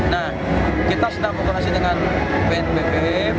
nah kita sedang berkomunikasi dengan bnbf